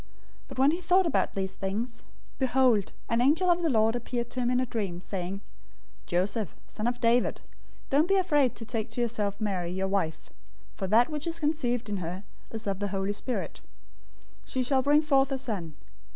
001:020 But when he thought about these things, behold, an angel of the Lord appeared to him in a dream, saying, "Joseph, son of David, don't be afraid to take to yourself Mary, your wife, for that which is conceived in her is of the Holy Spirit. 001:021 She shall bring forth a son.